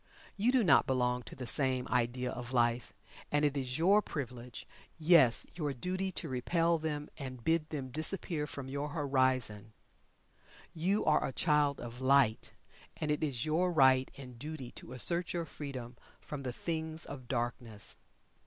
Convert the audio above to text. You do not belong to the same idea of life, and it is your privilege yes, your duty to repel them and bid them disappear from your horizon. You are a Child of Light, and it is your right and duty to assert your freedom from the things of darkness.